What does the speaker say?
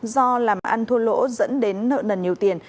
do làm ăn thua lỗ dẫn đến nợ nần nhiều tiền